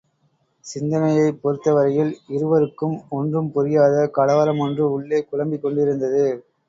சிந்தனையைப் பொறுத்த வரையில் இருவருக்கும் ஒன்றும் புரியாத கலவரமொன்று உள்ளே குழம்பிக் கொண்டிருந்தது.